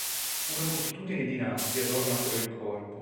Una moltitudine di nastri adorna poi il corpo.